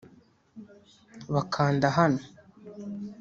bakanda hano